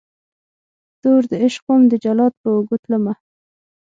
توردعشق وم دجلاد په اوږو تلمه